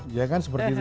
iya kan seperti itu